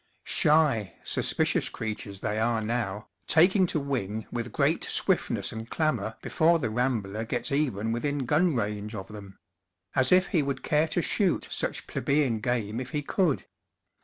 Shy, suspicious creatures they are now, taking to wing with great swiftness and clamor be fore the rambler gets even within gun range of them as if he would care to shoot such plebeian game if he could